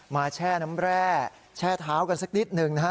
แช่น้ำแร่แช่เท้ากันสักนิดหนึ่งนะฮะ